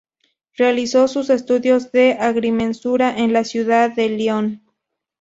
Realizó sus estudios de agrimensura en la ciudad de Lyon.